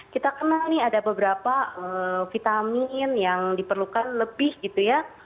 kita kenal nih ada beberapa vitamin yang diperlukan lebih gitu ya